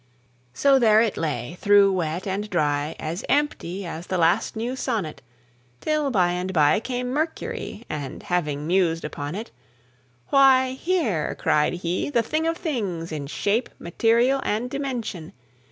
So there it lay, through wet and dry, As empty as the last new sonnet, Till by and by came Mercury, And, having mused upon it, "Why, here," cried he, "the thing of things In shape, material, and dimension!